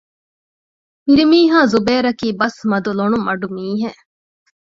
ފިރިމީހާ ޒުބައިރަކީ ބަސްމަދު ލޮނުމަޑު މީހެއް